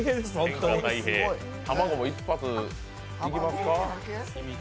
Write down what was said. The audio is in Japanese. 卵も一発いきますか。